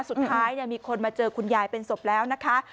สุดท้ายมีคนมาเจอคุณยายเป็นศพแล้วนะคะ